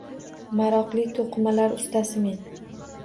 Maroqli to’qimalar ustasi – men.